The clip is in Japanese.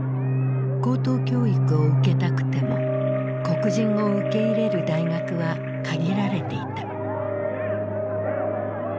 高等教育を受けたくても黒人を受け入れる大学は限られていた。